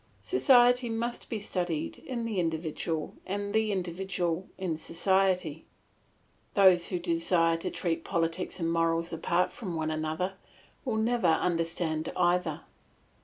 Society must be studied in the individual and the individual in society; those who desire to treat politics and morals apart from one another will never understand either.